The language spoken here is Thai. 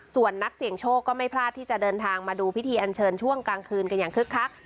ส่วนนักเสี่ยงโชคก็ไม่พลาดที่จะเดินทางมาดูพิธีอันเชิญช่วงกลางคืนกันอย่างคึกคัก